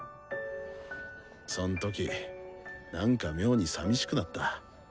そん時なんか妙にさみしくなった。